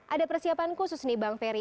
ada persiapan khusus nih bang ferry